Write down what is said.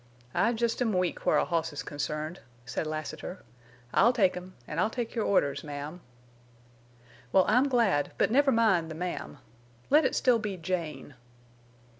"I jest am weak where a hoss's concerned," said Lassiter. "I'll take him, an' I'll take your orders, ma'am." "Well, I'm glad, but never mind the ma'am. Let it still be Jane."